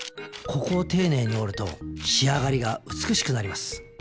ここを丁寧に折ると仕上がりが美しくなります。